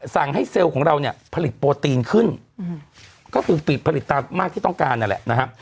สั่งให้เซลล์ของเราเนี่ยผลิตโปรตีนขึ้นก็คือผลิตตามมากที่ต้องการนั่นแหละนะครับ